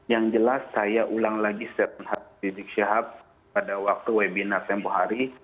yang jelas saya ulang lagi setelah rizik sihab pada waktu webinar tempoh hari